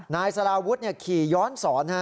นายสารวุฒิขี่ย้อนสอน